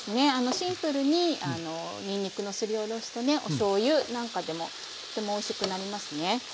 シンプルににんにくのすりおろしとねおしょうゆなんかでもとてもおいしくなりますね。